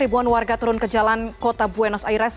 ribuan warga turun ke jalan kota buenos aires